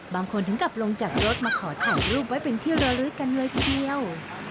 ถึงกลับลงจากรถมาขอถ่ายรูปไว้เป็นที่ระลึกกันเลยทีเดียว